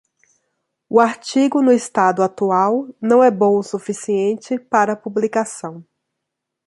O artigo no estado atual não é bom o suficiente para publicação.